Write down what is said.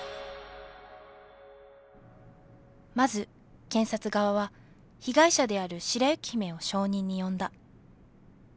まず検察側は被害者である白雪姫を証人に呼んだ。